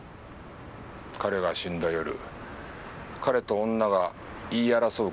彼が死んだ夜彼と女が言い争う